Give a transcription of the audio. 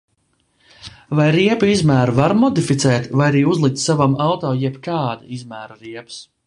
Vai riepu izmēru var modificēt vai arī uzlikt savam auto jebkāda izmēra riepas?